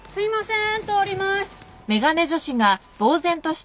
すすいません。